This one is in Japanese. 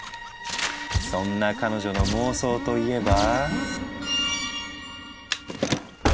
そんな彼女の妄想といえば。